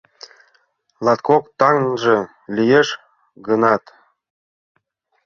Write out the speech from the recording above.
Латкок таҥже лиеш гынат